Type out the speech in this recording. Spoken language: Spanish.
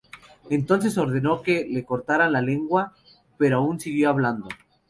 Entonces ordenó que le cortaran la lengua, pero aún siguió hablando.